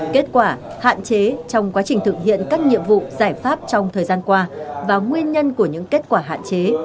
kết quả hạn chế trong quá trình thực hiện các nhiệm vụ giải pháp trong thời gian qua và nguyên nhân của những kết quả hạn chế